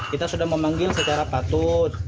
kita sudah memanggil secara patut